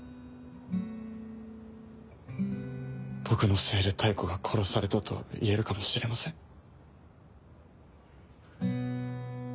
僕のせいで妙子が殺されたといえるかもしれません。